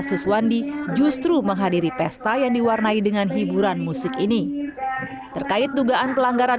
suswandi justru menghadiri pesta yang diwarnai dengan hiburan musik ini terkait dugaan pelanggaran